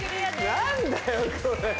何だよこれ。